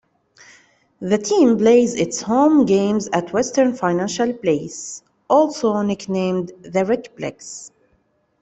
The team plays its home games at Western Financial Place, also nicknamed the RecPlex.